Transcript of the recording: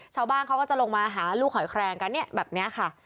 ชาวบ้านเขาก็จะลงมาหาลูกหอยแคลงกันเนี่ยแบบนี้ค่ะ